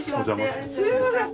すみません。